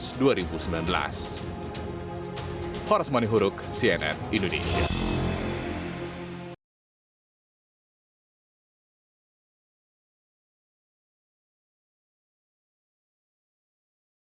sebelumnya pertemuan tersebut diperkirakan oleh pks pbb dan gerindra